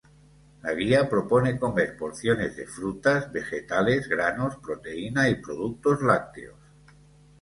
La guía propone comer porciones de frutas, vegetales, granos, proteína, y productos lácteos.